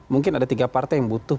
mungkin ada tiga partai yang butuh